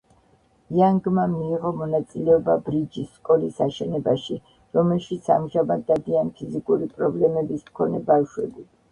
იანგმა მიიღო მონაწილეობა ბრიჯის სკოლის აშენებაში, რომელშიც ამჟამად დადიან ფიზიკური პრობლემების მქონე ბავშვები.